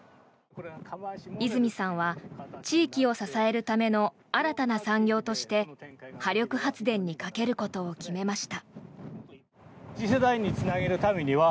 泉さんは、地域を支えるための新たな産業として波力発電にかけることを決めました。